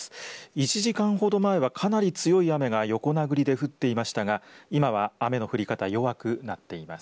１時間ほど前はかなり強い雨が横殴りで降っていました、が今は雨の降り方、弱くなっています。